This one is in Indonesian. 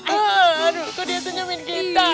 aduh itu dia senyumin kita